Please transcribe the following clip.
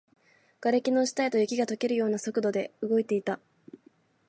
瓦礫の下へと、雪が溶けるような速度で動いていた